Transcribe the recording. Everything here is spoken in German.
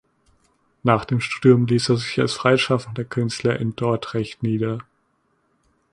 Nach dem Studium ließ er sich als freischaffender Künstler in Dordrecht nieder.